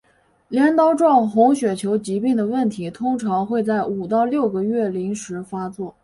镰刀状红血球疾病的问题通常会在五到六个月龄时发作。